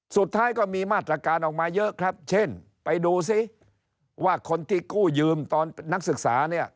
สุดท้ายก็มีมาตรการออกมาเยอะครับเช่นไปดูซิว่าคนที่กู้ยืมตอนนักศึกษาเนี่ย